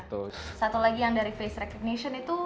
satu lagi yang dari face recognition itu